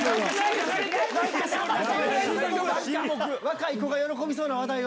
若い子が喜びそうな話題を。